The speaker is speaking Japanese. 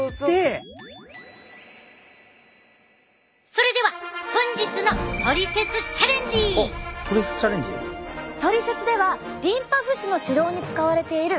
それでは本日のおっトリセツチャレンジ？「トリセツ」ではリンパ浮腫の治療に使われているこの方法を応用！